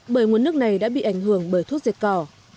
bởi nguồn nước này đã bị ảnh hưởng bởi thuốc diệt cỏ